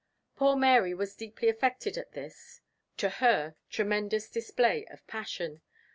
Poor Mary was deeply affected at this (to her) tremendous display of passion.